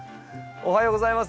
おはようございます。